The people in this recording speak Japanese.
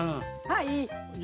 はい。